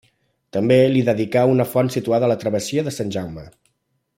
També li dedicà una font situada a la travessia de Sant Jaume.